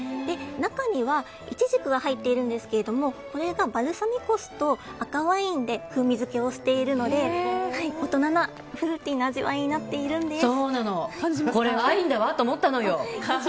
中にはイチジクが入っているんですけれどもこれがバルサミコ酢と赤ワインで風味付けをしているので大人なフルーティーな味わいになっているんです。